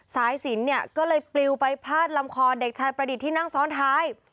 สายสินเนี่ยก็เลยปลิวไปพาดลำคอเด็กชายประดิษฐ์ที่นั่งซ้อนท้าย